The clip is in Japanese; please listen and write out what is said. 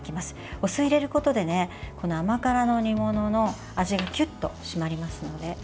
お酢を入れることで甘辛の煮物の味がキュッと締まりますので。